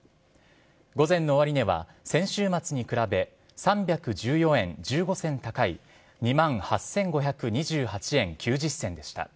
午前の終値は、先週末に比べ、３１４円１５銭高い、２万８５２８円９０銭でした。